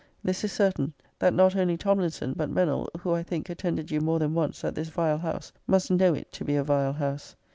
This is certain, that not only Tomlinson, but Mennell, who, I think, attended you more than once at this vile house, must know it to be a vile house.